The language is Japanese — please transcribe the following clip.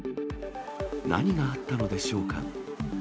何があったのでしょうか。